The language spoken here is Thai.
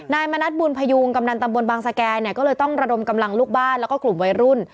มณัฐบุญพยูงกำนันตำบลบางสแก่เนี่ยก็เลยต้องระดมกำลังลูกบ้านแล้วก็กลุ่มวัยรุ่น